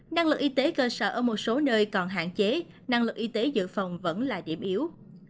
năng lực y tế cơ sở ở một số nơi còn hạn chế năng lực y tế dự phòng vẫn là điểm yếu